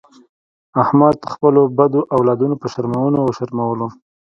احمد خپلو بدو اولادونو په شرمونو و شرمولو.